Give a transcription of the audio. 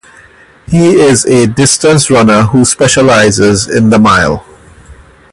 He is a distance runner who specializes in the Mile.